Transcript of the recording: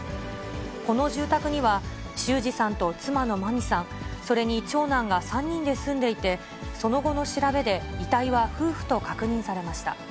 この住宅には、修二さんと妻の真美さん、それに長男が３人で住んでいて、その後の調べで、遺体は夫婦と確認されました。